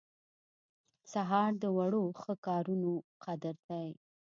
سهار د وړو ښه کارونو قدر دی.